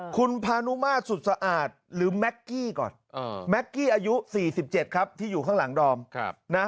คุณพานุมาสุดสะอาดหรือแม็กกี้ก่อน